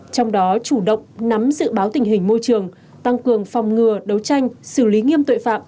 trong đó chủ động nắm dự báo tình hình môi trường tăng cường phòng ngừa đấu tranh xử lý nghiêm tội phạm